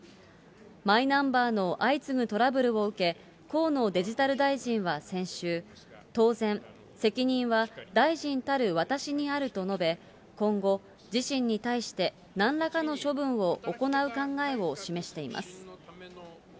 マイナンバーの相次ぐトラブルを受け、河野デジタル大臣は先週、当然、責任は大臣たる私にあると述べ、今後、自身に対してなんらかの処分を行う考えを示しています。